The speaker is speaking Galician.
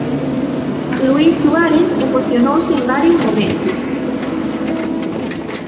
Luís Suárez emocionouse en varios momentos.